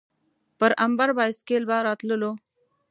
پر امبر بایسکل به راتللو.